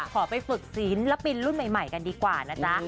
ขอไปฝึกศิลปินรุ่นใหม่กันดีกว่านะจ๊ะ